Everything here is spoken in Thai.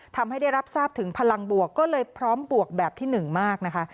ทำให้ได้รับทราบถึงพลังบวกก็เลยพร้อมบวกแบบที่๑มากนะคะ